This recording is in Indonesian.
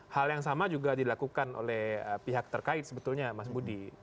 hal yang sama juga dilakukan oleh pihak terkait sebetulnya mas budi